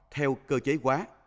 theo cơ giới hóa